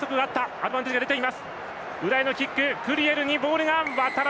アドバンテージが出ています。